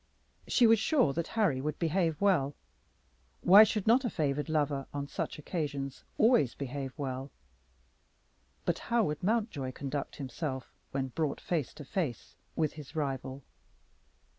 She was sure that Harry would behave well. Why should not a favored lover on such occasions always behave well? But how would Mountjoy conduct himself when brought face to face with his rival?